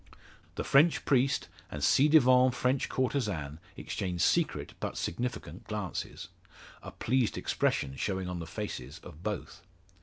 The French priest and ci devant French courtesan exchange secret, but significant, glances; a pleased expression showing on the faces of both.